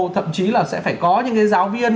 thậm chí là sẽ phải có những cái giáo viên